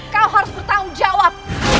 kau harus bertanggung jawab